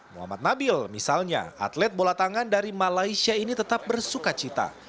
muhammad nabil misalnya atlet bola tangan dari malaysia ini tetap bersuka cita